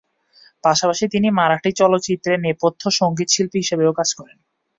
পাশাপাশি তিনি মারাঠি চলচ্চিত্রে নেপথ্য সঙ্গীতশিল্পী হিসেবেও কাজ করেন।